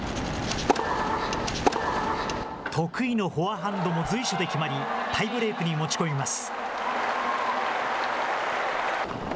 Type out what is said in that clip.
得意のフォアハンドも随所で決まり、タイブレークに持ち込みます。